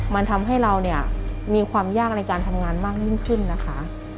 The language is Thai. มันทำให้เราเนี่ยมีความยากในการทำงานมากยิ่งขึ้นนะคะ